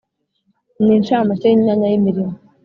N incamake y imyanya y imirimo